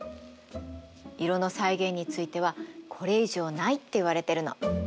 色の再現についてはこれ以上ないっていわれてるの。